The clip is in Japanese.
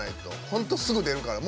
本当、すぐ出るから。